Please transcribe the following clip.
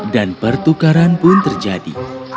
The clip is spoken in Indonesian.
dan pertukaran pun terjadi